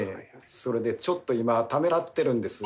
それでちょっと今ためらってるんです。